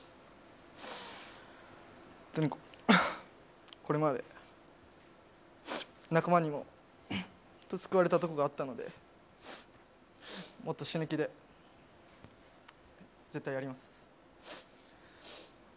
本当に、これまで仲間にも本当、救われたところがあったので、もっと死ぬ気で絶対やります。